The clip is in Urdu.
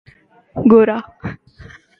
گورا